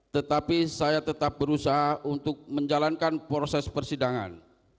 tetapi saya tetap berusaha untuk menjalankan proses persidangan